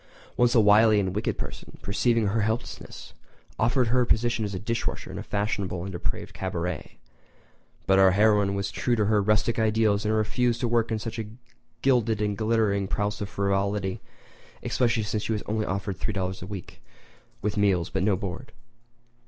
Once a wily and wicked person, perceiving her helplessness, offered her a position as dish washer in a fashionable and depraved cabaret; but our heroine was true to her rustic ideals and refused to work in such a gilded and glittering palace of frivolity—especially since she was offered only $3.00 per week with meals but no board.